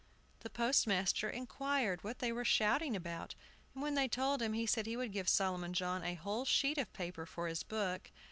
The postmaster inquired what they were shouting about; and when they told him, he said he would give Solomon John a whole sheet of paper for his book.